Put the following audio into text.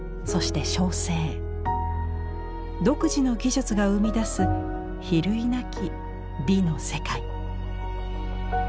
独自の技術が生み出す比類なき美の世界。